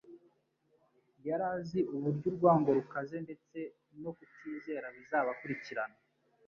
Yari azi uburyo urwango rukaze ndetse no kutizera bizabakurikirana,